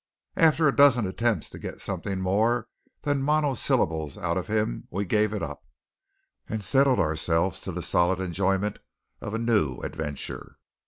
After a dozen attempts to get something more than monosyllables out of him, we gave it up, and settled ourselves to the solid enjoyment of a new adventure.